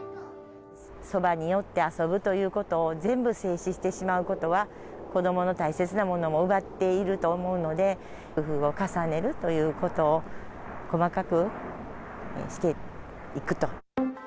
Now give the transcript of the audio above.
そばに寄って遊ぶということを全部制止してしまうことは、子どもの大切なものも奪っていると思うので、工夫を重ねるということを細かくしていくと。